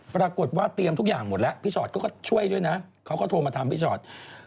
ปรากฏว่าเตรียมทุกอย่างหมดแล้วพี่ชอตเขาก็ช่วยด้วยนะเขาก็โทรมาถามพี่ชอต